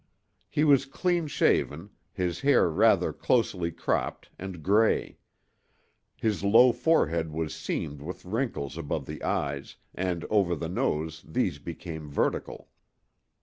He was clean shaven, his hair rather closely cropped and gray. His low forehead was seamed with wrinkles above the eyes, and over the nose these became vertical.